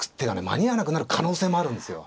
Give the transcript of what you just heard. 間に合わなくなる可能性もあるんですよ。